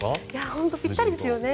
本当にぴったりですよね。